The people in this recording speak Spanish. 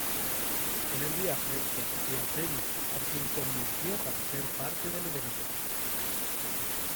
En el viaje, conoció a Chery a quien convenció para ser parte del evento.